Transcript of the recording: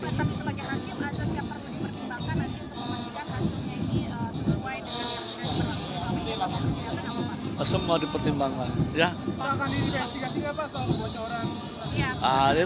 tapi sebagai hakim ada siapa yang dipertimbangkan nanti untuk mewajibkan hasilnya ini